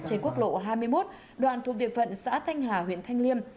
trên quốc lộ hai mươi một đoạn thuộc địa phận xã thanh hà huyện thanh liêm